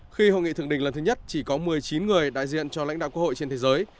khi hội nghị thượng đỉnh lần thứ nhất chỉ có một mươi chín người đại diện cho lãnh đạo quốc hội trên thế giới